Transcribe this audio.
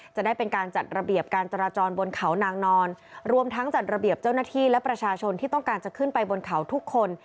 จะได้เป็นการจัดระเบียบการจราจรบนเขานางนอนรวมทั้งจัดระเบียบเจ้าหน้าที่และประชาชนที่ต้องการจะขึ้นไปบนเขาทุกคน